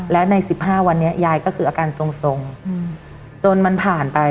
และใน๑๕วันนี้ยายก็คืออาการทรงจนมันผ่านไป